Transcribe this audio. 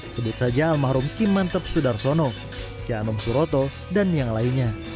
sebut saja almarhum ki mantep sudarsono kianom suroto dan yang lainnya